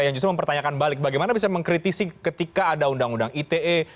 yang justru mempertanyakan balik bagaimana bisa mengkritisi ketika ada undang undang ite